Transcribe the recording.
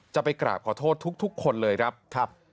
จะไปกราบขอโทษทุกคนเลยครับ